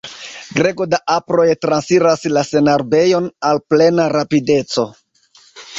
Grego da aproj transiras la senarbejon al plena rapideco.